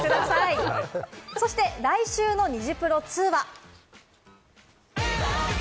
そして、来週のニジプロ２は。